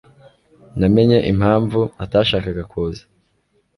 Namenye impamvu atashakaga kuza.